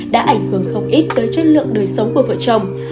đã ảnh hưởng không ít tới chất lượng đời sống của vợ chồng